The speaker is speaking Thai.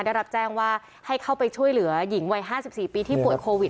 ได้รับแจ้งว่าให้เข้าไปช่วยเหลือหญิงวัย๕๔ปีที่ป่วยโควิด